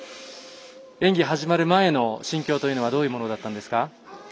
演技始まる前の心境というのはどういうものだったんですか？